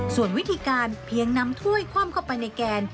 ส่วนวิธีการเพียงนำถ้วยคว่ำเข้าไปในแกน